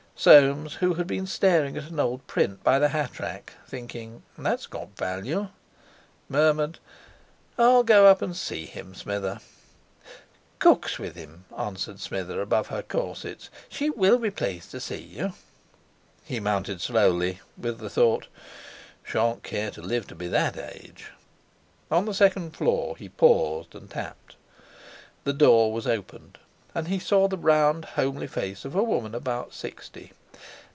Soames, who had been staring at an old print by the hat rack, thinking, 'That's got value!' murmured: "I'll go up and see him, Smither." "Cook's with him," answered Smither above her corsets; "she will be pleased to see you." He mounted slowly, with the thought: 'Shan't care to live to be that age.' On the second floor, he paused, and tapped. The door was opened, and he saw the round homely face of a woman about sixty.